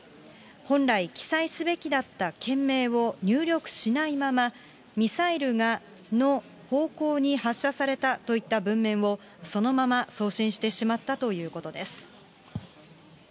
本来、記載すべきだったけん名を入力しないまま、ミサイルがの方向に発射されたといった文面をそのまま送信してしまったということです。